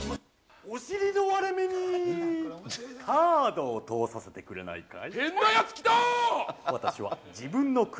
お尻の割れ目に、カードを通させてくれないかい？